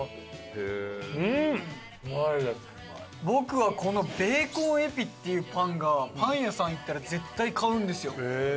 僕はこのベーコンエピっていうパンがパン屋さん行ったら絶対買うんですよ。